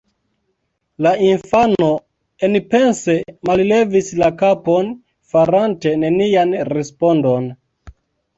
La infano enpense mallevis la kapon, farante nenian respondon.